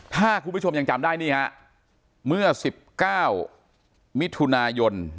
ถ้าคุณผู้ชมยังจำได้นี่ฮะเมื่อ๑๙มิถุนายน